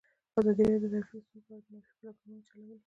ازادي راډیو د ټرافیکي ستونزې په اړه د معارفې پروګرامونه چلولي.